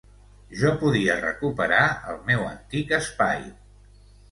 Jo podia recuperar el meu antic espai.